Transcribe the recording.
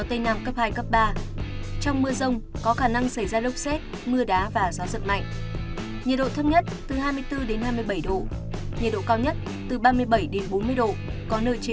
trong mưa rông có khả năng xảy ra lốc xét mưa đá và gió giật mạnh